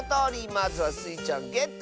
まずはスイちゃんゲット！